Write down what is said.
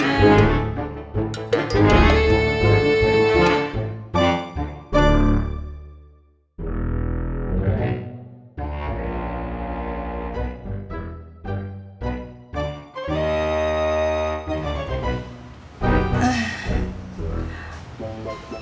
gak terbalik tuh